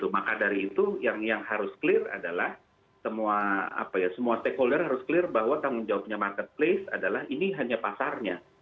maka dari itu yang harus clear adalah semua stakeholder harus clear bahwa tanggung jawabnya marketplace adalah ini hanya pasarnya